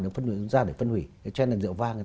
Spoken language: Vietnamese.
để phân hủy cho nên rượu vang